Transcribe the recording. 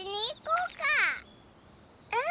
うん！